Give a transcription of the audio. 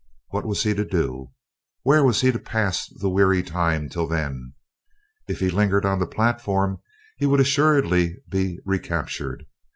What was he to do? Where was he to pass the weary time till then? If he lingered on the platform he would assuredly be recaptured.